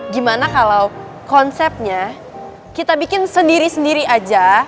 gimana kalau konsepnya kita bikin sendiri sendiri aja